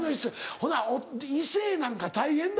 ほな異性なんか大変だ。